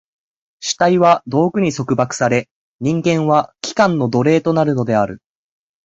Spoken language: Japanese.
主体は道具に束縛され、人間は器官の奴隷となるのである。